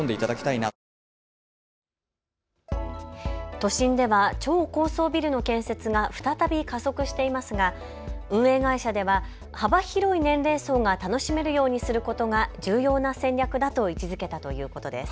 都心では超高層ビルの建設が再び加速していますが運営会社では幅広い年齢層が楽しめるようにすることが重要な戦略だと位置づけたということです。